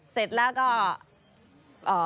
เสร็จแล้วก็